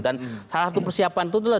dan salah satu persiapan itu adalah